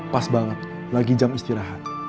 pas banget lagi jam istirahat